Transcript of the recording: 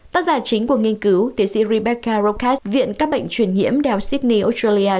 tác giả chính của nghiên cứu tiến sĩ rebecca rokas viện các bệnh truyền nhiễm đèo sydney australia